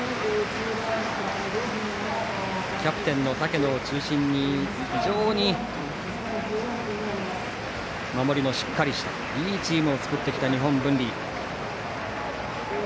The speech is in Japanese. キャプテンの竹野を中心に非常に守りもしっかりしたいいチームを作ってきた日本文理。